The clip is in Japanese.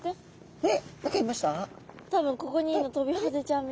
えっ！